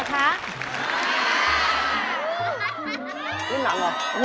ก๊วยเวียนเพียนเหรอคะ